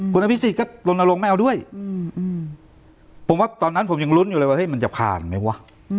คุณอภิษฎก็ลนลงไม่เอาด้วยผมว่าตอนนั้นผมยังลุ้นอยู่เลยว่ามันจะผ่านไหมวะ